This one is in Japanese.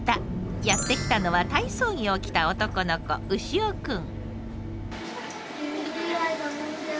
やって来たのは体操着を着た男の子潮くん。